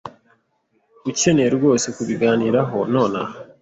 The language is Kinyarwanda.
Ukeneye rwose kubiganiraho nonaha?